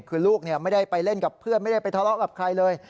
คือลูกไม่ได้ไปเล่นกับเพื่อนไม่ได้ไปทะเลาะกับใครเลย